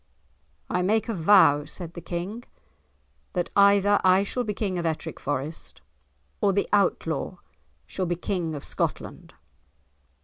"I make a vow," said the King, "that either I shall be King of Ettrick Forest, or the Outlaw shall be King of Scotland."